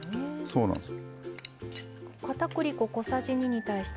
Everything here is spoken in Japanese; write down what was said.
そうなんです。